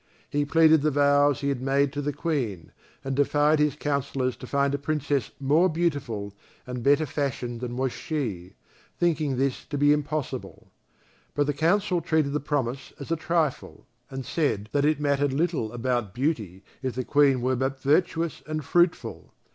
He pleaded the vows he had made to the Queen, and defied his counsellors to find a Princess more beautiful and better fashioned than was she, thinking this to be impossible. But the Council treated the promise as a trifle, and said that it mattered little about beauty if the Queen were but virtuous and fruitful.